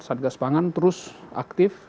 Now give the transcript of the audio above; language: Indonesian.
satgas pangan terus aktif